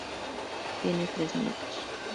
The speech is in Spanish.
Tiene tres nietos.